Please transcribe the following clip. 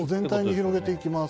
広げていきます。